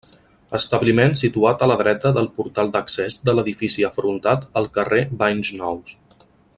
Establiment situat a la dreta del portal d'accés de l'edifici afrontat al carrer Banys Nous.